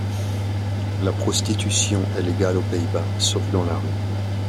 La prostitution est légale aux Pays-Bas, sauf dans la rue.